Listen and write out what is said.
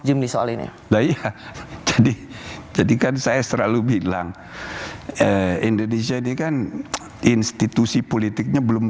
jimli soal ini jadi kan saya selalu bilang indonesia ini kan institusi politiknya belum